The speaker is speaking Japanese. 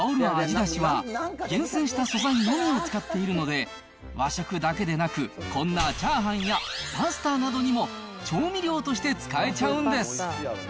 だしは、厳選した素材のみを使っているので、和食だけでなく、こんなチャーハンやパスタなどにも調味料として使えちゃうんです。